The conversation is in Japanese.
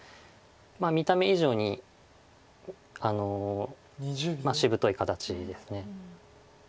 見た目以上にしぶとい形です。